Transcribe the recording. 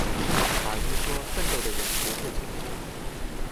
馬雲說勤奮的人不會成功